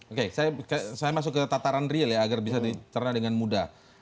oke saya masuk ke tataran real ya agar bisa dicerna dengan mudah